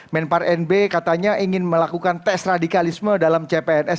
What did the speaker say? menpar nb katanya ingin melakukan tes radikalisme dalam cpns